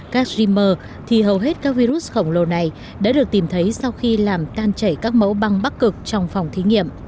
castreamer thì hầu hết các virus khổng lồ này đã được tìm thấy sau khi làm tan chảy các mẫu băng bắc cực trong phòng thí nghiệm